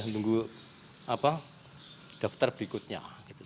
nunggu daftar berikutnya